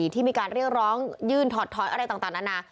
ที่มีการเรียกร้องยื่นถอดถอยอะไรต่างนานา